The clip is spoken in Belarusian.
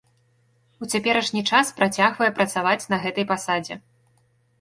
У цяперашні час працягвае працаваць на гэтай пасадзе.